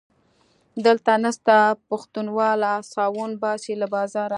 دلته نسته پښتونواله - ساوڼ باسي له بازاره